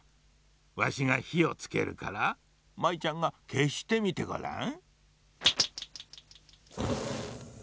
わしがひをつけるから舞ちゃんがけしてみてごらん。